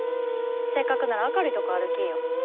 せっかくなら明るいとこ歩きーよ。